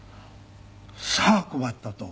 さあ困ったと。